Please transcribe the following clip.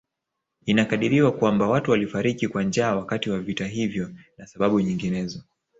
Inakadiriwa kwamba watu walifariki kwa njaa wakati wa vita hivyo na sababu nyinginezo